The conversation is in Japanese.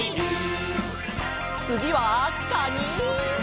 つぎはかに！